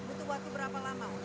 butuh waktu berapa lama